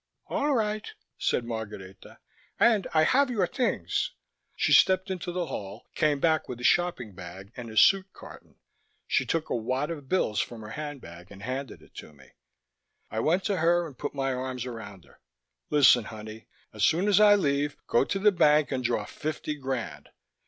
"All right," said Margareta. "And I have your things." She stepped into the hall, came back with a shopping bag and a suit carton. She took a wad of bills from her handbag and handed it to me. I went to her and put my arms around her. "Listen, honey: as soon as I leave, go to the bank and draw fifty grand.